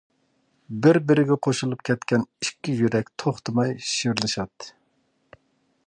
بىر-بىرىگە قوشۇلۇپ كەتكەن ئىككى يۈرەك توختىماي شىۋىرلىشاتتى.